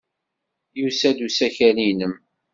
Yusa-d usakal-nnem.